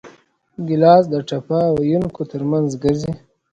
ګیلاس د ټپه ویونکو ترمنځ ګرځي.